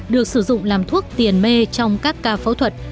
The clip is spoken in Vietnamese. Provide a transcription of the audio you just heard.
được sử dụng làm thuốc tiền mê trong các ca phẫu thuật